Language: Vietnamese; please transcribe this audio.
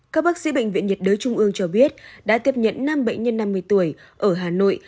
các bác sĩ bệnh viện nhiệt đới trung ương cho biết đã tiếp nhận năm bệnh nhân năm mươi tuổi ở hà nội